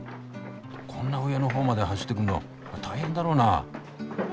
こんな上のほうまで走ってくるの大変だろうな。